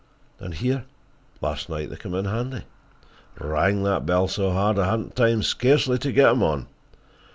And here last night they came in handy. Rang that bell so hard I hadn't time scarcely to get 'em on."